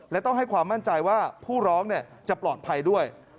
และต้องให้ความมั่นใจว่าผู้ร้องจะปลอดภัยด้วย